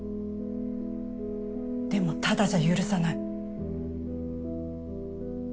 でもタダじゃ許さない。